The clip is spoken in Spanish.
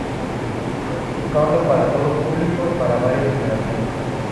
Tocando para todo público y para varias generaciones.